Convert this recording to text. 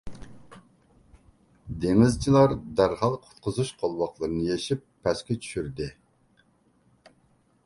دېڭىزچىلار دەرھال قۇتقۇزۇش قولۋاقلىرىنى يېشىپ پەسكە چۈشۈردى،